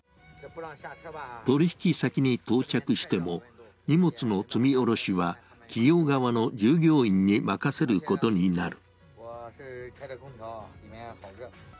取引先に到着しても荷物の積み下ろしは企業側の従業員に任せることになる。